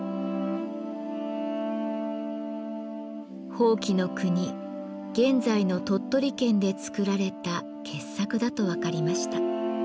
伯耆国現在の鳥取県で作られた傑作だと分かりました。